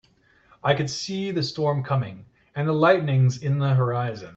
I could see the storm coming and the lightnings in the horizon.